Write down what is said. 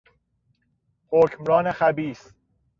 حکمران خبیث